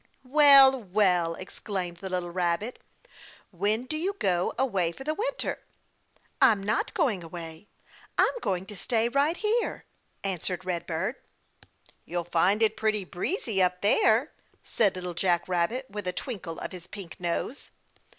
"Well, well," exclaimed the little rabbit. "When do you go away for the winter?" "I'm not going away I'm going to stay right here," answered Red Bird. "You'll find it pretty breezy up there," said Little Jack Rabbit with a twinkle of his pink nose.